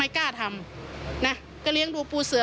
โยต้องกล้าภาษณ์อยากให้คุณผู้ชมได้ฟัง